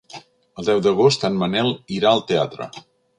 El deu d'agost en Manel irà al teatre.